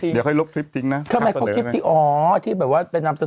เดี๋ยวเขาให้ลบทิปทิ้งนะที่อ๋อที่แบบว่าไปนับเสนอ